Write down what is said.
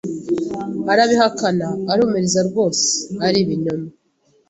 arabihakana arumiriza rwose aribinyoma